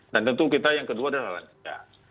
dan tentu kita yang kedua adalah lansia